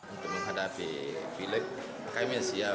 untuk menghadapi v leg kami siap